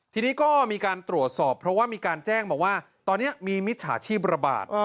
ทีนี้ก็มีการตรวจสอบเพราะว่ามีการแจ้งมาว่าตอนนี้มีมิจฉาชีพระบาด